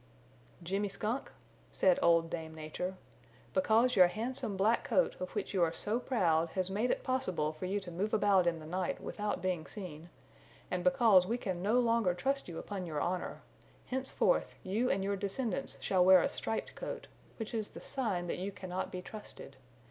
"Jimmy Skunk," said Old Dame Nature, "because your handsome black coat of which you are so proud has made it possible for you to move about in the night without being seen, and because we can no longer trust you upon your honor, henceforth you and your descendants shall wear a striped coat, which is the sign that you cannot be trusted.